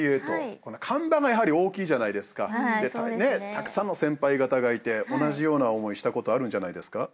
たくさんの先輩方がいて同じような思いしたことあるんじゃないですか？